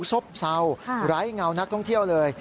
ซบเศร้าไร้เงานักท่องเที่ยวเลย